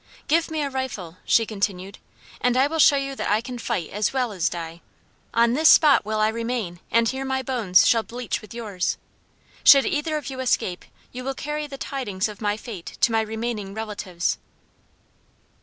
"Give me a rifle," she continued, "and I will show you that I can fight as well as die! On this spot will I remain, and here my bones shall bleach with yours! Should either of you escape, you will carry the tidings of my fate to my remaining relatives."